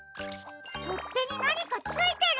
とってになにかついてる。